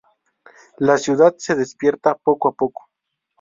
La ciudad se despierta poco a poco.